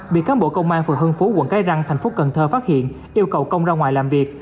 bị cán bộ công an phường hưng phú quận cái răng thành phố cần thơ phát hiện yêu cầu công ra ngoài làm việc